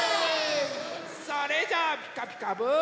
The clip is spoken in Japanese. それじゃ「ピカピカブ！」。